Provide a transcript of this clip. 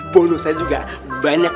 bonusnya juga banyak